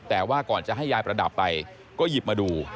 แต่ว่าก่อนจะให้ยายประดับไปก็หยิบมาดู